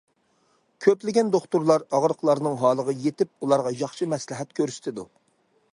كۆپلىگەن دوختۇرلار ئاغرىقلارنىڭ ھالىغا يېتىپ، ئۇلارغا ياخشى مەسلىھەت كۆرسىتىدۇ.